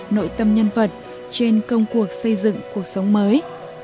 nội tâm nhân vật trên công cuộc xây dựng cuộc sống mới